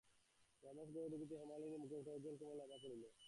রমেশ ঘরে ঢুকিতেই হেমনলিনীর মুখে একটি উজ্জ্বল-কোমল আভা পড়িল।